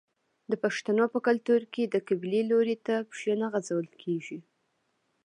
د پښتنو په کلتور کې د قبلې لوري ته پښې نه غځول کیږي.